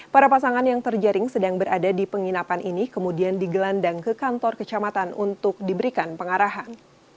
para pasangan yang terjaring sedang berada di penginapan ini kemudian digelandang ke kantor kecamatan untuk diberikan pengarahan